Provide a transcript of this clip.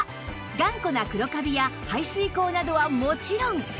頑固な黒カビや排水口などはもちろん